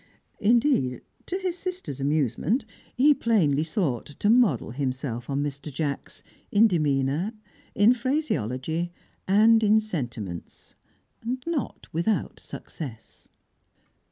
Indeed to his sister's amusement, he plainly sought to model himself on Mr. Jacks, in demeanour, in phraseology, and in sentiments; not without success.